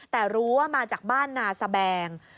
แต่รู้ว่ามาจากบ้านนาสแบง